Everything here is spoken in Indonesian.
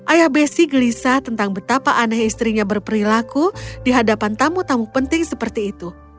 ayah bessi gelisah tentang betapa aneh istrinya berperilaku di hadapan tamu tamu penting seperti itu